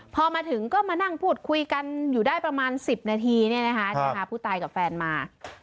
พอมาถึงก็มานั่งพูดคุยกันอยู่ได้ประมาณ๑๐นาทีผู้ตายกับแฟนมา